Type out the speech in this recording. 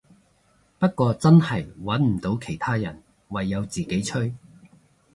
不過真係穩唔到其他人，唯有自己吹